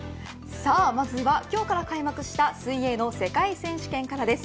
まずは今日から開幕した水泳の世界選手権からです。